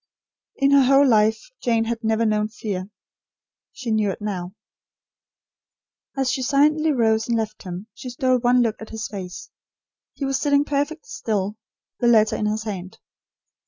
In her whole life, Jane had never known fear. She knew it now. As she silently rose and left him, she stole one look at his face. He was sitting perfectly still; the letter in his hand.